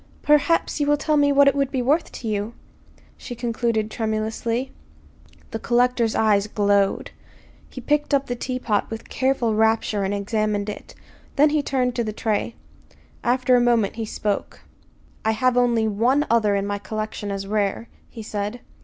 "Perhaps you will tell me what it would be worth to you," she concluded tremulously. The collector's eyes glowed. He picked up the teapot with careful rapture and examined it. Then he turned to the tray. After a moment he spoke. "I have only one other in my collection as rare," he said.